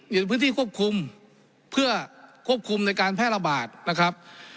อยู่ในพื้นที่ควบคุมเพื่อควบคุมในการแพร่ระบาดนะครับ